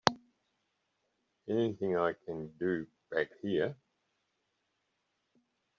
Anything I can do back here?